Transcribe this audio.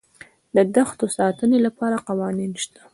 د دښتو د ساتنې لپاره قوانین شته.